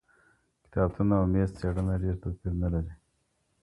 کتابتون او میز څېړنه ډېر توپیر نه لري.